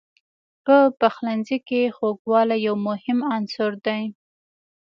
په پخلنځي کې خوږوالی یو مهم عنصر دی.